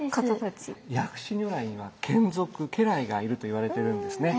薬師如来には眷属家来がいるといわれてるんですね。